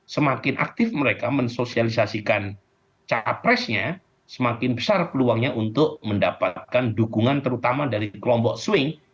semakin aktif mereka mensosialisasikan capresnya semakin besar peluangnya untuk mendapatkan dukungan terutama dari kelompok swing